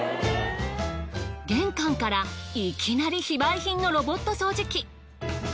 玄関からいきなり非売品のロボット掃除機。